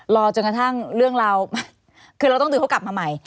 รอจนกระทั่งเรื่องราวคือเราต้องดึงเขากลับมาใหม่